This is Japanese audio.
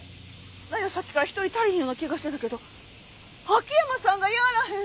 何やさっきから１人足りひんような気がしてたけど秋山さんがいはらへん。